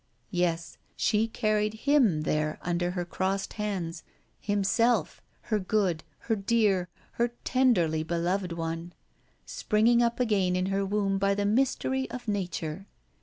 Yes, she carried him there under her crossed hands, himself, her good, her dear, her tenderly beloved one, springing up again in her womb by the mystery of nature.